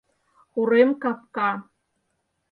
Урем капка.